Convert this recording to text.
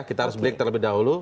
kita harus break terlebih dahulu